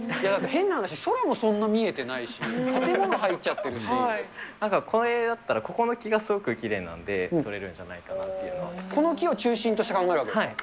変な話、空もそんな見えてないし、なんかこれだったら、ここの木がすごくきれいなんで、撮れるんじゃないかなっていうのこの木を中心として考えるわはい。